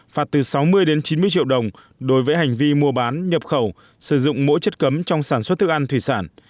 phạt từ sáu mươi đến chín mươi triệu đồng đối với hành vi mua bán nhập khẩu sử dụng mỗi chất cấm trong sản xuất thức ăn thủy sản